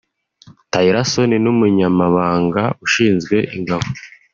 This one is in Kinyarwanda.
Tillerson n’Umunyamabanga Ushinzwe Ingabo